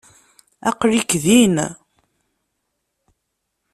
Aql-ik din!